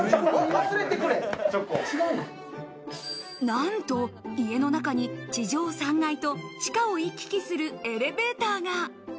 なんと家の中に地上３階と地下を行き来するエレベーターが。